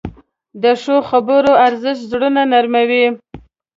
د ښو خبرو ارزښت زړونه نرموې.